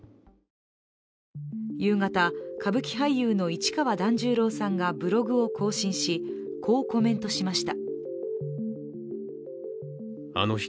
夕方、歌舞伎俳優の市川團十郎さんがブログを更新し、こうコメントしました。